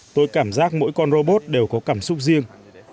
tôi cảm giác mỗi con robot đều có cảm xúc riêng